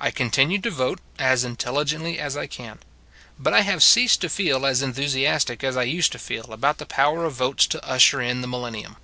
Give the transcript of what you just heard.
I continue to vote, as intelligently as I can; but I have ceased to feel as enthus iastic as I used to feel about the power of votes to usher in the millennium.